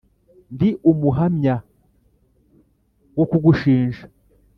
ndi umuhamya wo kugushinja